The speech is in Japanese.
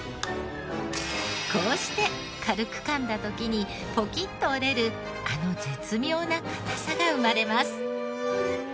こうして軽く噛んだ時にポキッと折れるあの絶妙な硬さが生まれます。